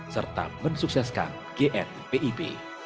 serta mensukseskan gn pib